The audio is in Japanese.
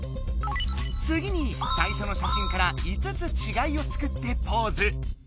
つぎにさいしょのしゃしんから５つちがいを作ってポーズ。